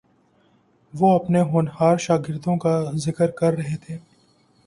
وہ اپنے ہونہار شاگردوں کا ذکر کر رہے تھے